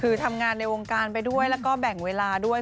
คือทำงานในวงการไปด้วยแล้วก็แบ่งเวลาด้วย